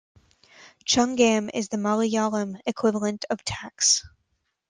"Chungam" is the Malayalam equivalent of "tax".